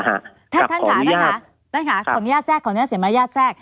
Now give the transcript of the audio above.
ท่านขาขออนุญาตแทรกขออนุญาตเสียมารยาทแทรก